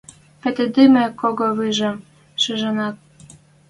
Пӹтӹдӹмӹ кого вижӹм шижӹнӓт